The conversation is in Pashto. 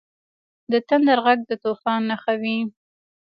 • د تندر ږغ د طوفان نښه وي.